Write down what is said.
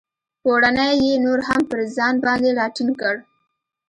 پوړنی یې نور هم پر ځان باندې را ټینګ کړ.